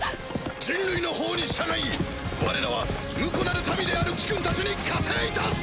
人類の法に従いわれらは無辜なる民である貴君たちに加勢いたす！